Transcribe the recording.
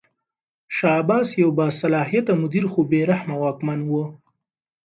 شاه عباس یو باصلاحیته مدیر خو بې رحمه واکمن و.